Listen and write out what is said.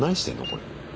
これ。